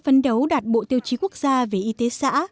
phấn đấu đạt bộ tiêu chí quốc gia về y tế xã